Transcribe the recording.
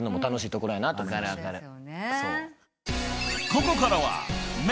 ［ここからは］